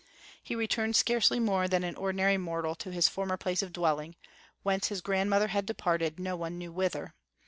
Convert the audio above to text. He returned scarcely more than an ordinary mortal to his former place of dwelling, whence his grandmother had departed no one knew whither.